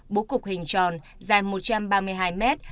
bố cục hình tròn dài một trăm ba mươi hai mét